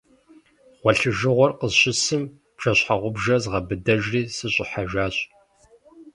Гъуэлъыжыгъуэр къыщысым, бжэщхьэгъубжэр згъэбыдэжри сыщӏыхьэжащ.